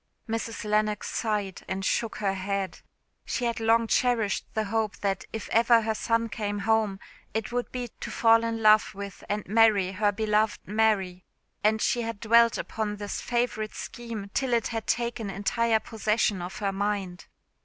Mrs. Lennox sighed and shook her head. She had long cherished the hope that if ever her son came home it would be to fall in love with and marry her beloved Mary; and she had dwelt upon this favourite scheme till it had taken entire possession of her mind.